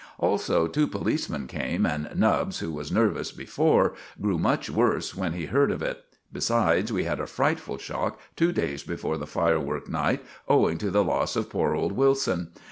Also two policemen came, and Nubbs, who was nervous before, grew much worse when he heard of it. Besides, we had a frightful shock two days before the firework night, owing to the loss of poor old Wilson.